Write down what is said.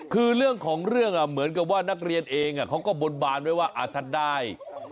คือเรื่องของเรื่องเหมือนกับว่านักเรียนเองเขาก็บนบานไว้ว่าถ้าได้